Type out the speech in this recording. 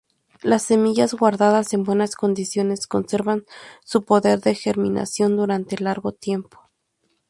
Las semillas guardadas en buenas condiciones conservan su poder de germinación durante largo tiempo.